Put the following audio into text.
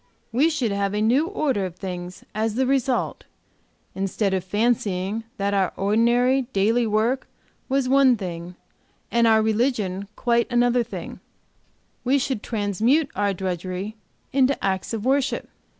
"We should have a new order of things as the result. Instead of fancying that our ordinary daily work was one thing and our religion quite another thing, we should transmute our drudgery into acts of worship.